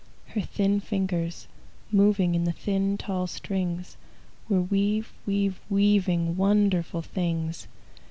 Her thin fingers, moving In the thin, tall strings, Were weav weav weaving Wonderful things.